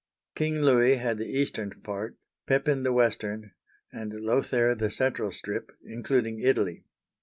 King Louis had the eastern part, Pepin the western, and Lothair the central strip, including Italy.